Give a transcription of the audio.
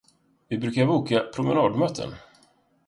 Vi brukar boka promenadmöten.